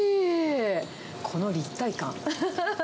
この立体感。